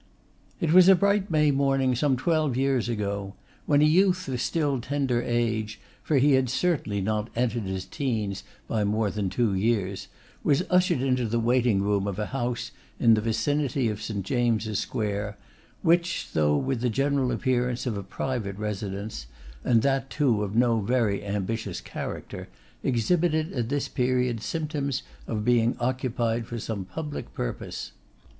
It was a bright May morning some twelve years ago, when a youth of still tender age, for he had certainly not entered his teens by more than two years, was ushered into the waiting room of a house in the vicinity of St. James's Square, which, though with the general appearance of a private residence, and that too of no very ambitious character, exhibited at this period symptoms of being occupied for some public purpose.